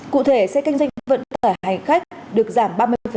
cụ thể xe kinh doanh vận tải hành khách được giảm ba mươi